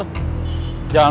kamu sudah punya pasangan